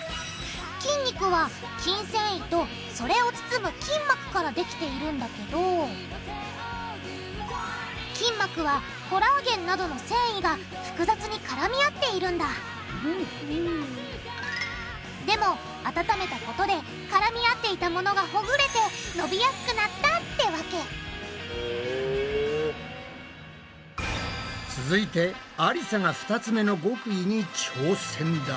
筋肉は筋線維とそれを包む筋膜からできているんだけど筋膜はコラーゲンなどの繊維が複雑に絡み合っているんだでも温めたことで絡み合っていたものがほぐれてのびやすくなったってわけ続いてありさが２つ目の極意に挑戦だ。